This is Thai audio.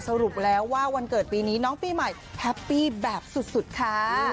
สรุปแล้วว่าวันเกิดปีนี้น้องปีใหม่แฮปปี้แบบสุดค่ะ